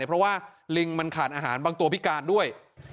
เพราะว่าลิงมันขาดอาหารบางตัวพิการด้วย